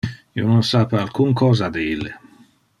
Io non sape alcun cosa de ille.